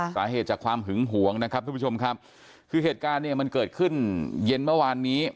สาเหตุจากความหึงหวงนะครับทุกผู้ชมครับคือเหตุการณ์เนี่ยมันเกิดขึ้นเย็นเมื่อวานนี้